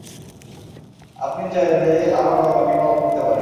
আপনি চাইলে আমার বাবাকে কল করতে পারেন।